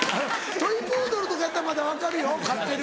トイ・プードルとかやったらまだ分かるよ飼ってる。